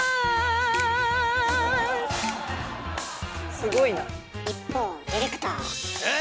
すごいな。一方ディレクター。え？